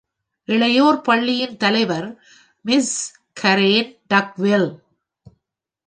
இளையோர் பள்ளியின் தலைவர், Ms கரென் டக்வெல்.